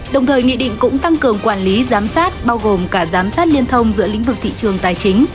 đồng thời nghị định cũng tăng cường quản lý giám sát bao gồm cả giám sát liên thông giữa lĩnh vực thị trường tài chính